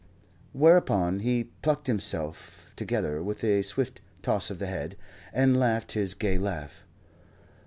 Whereupon he plucked himself together with a swift toss of the head, and laughed his gay laugh.